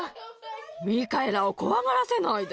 ミカエラを怖がらせないで。